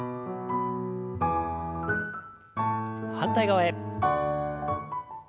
反対側へ。